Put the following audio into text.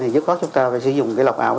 nhất khóa chúng ta phải sử dụng lọc ảo